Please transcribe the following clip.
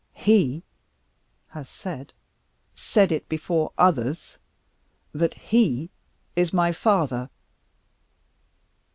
"He has said said it before others that he is my father."